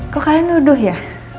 kok kalian duduh ya